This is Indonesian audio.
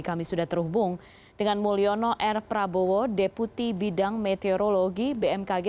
kami sudah terhubung dengan mulyono r prabowo deputi bidang meteorologi bmkg